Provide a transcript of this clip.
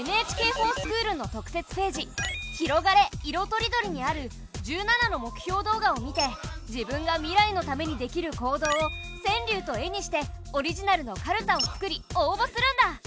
「ＮＨＫｆｏｒＳｃｈｏｏｌ」の特設ページ「ひろがれ！いろとりどり」にある１７の目標動画を見て自分が未来のためにできる行動を川柳と絵にしてオリジナルのかるたを作り応ぼするんだ！